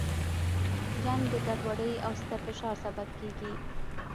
جنګ د ګډوډۍ او ستر فشار سبب کیږي.